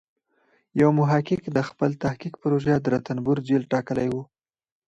یو محقق د خپل تحقیق پروژه د رنتبور جېل ټاکلی و.